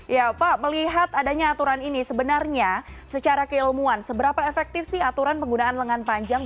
ya pak melihat adanya aturan ini sebenarnya secara keilmuan seberapa efektif sih aturan penggunaan lengan panjang